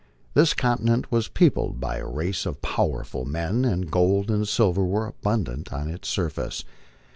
This continent was peopled by a race of powerful men, and gold and silver were abundant on its surface.